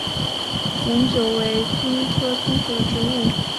碱韭为葱科葱属的植物。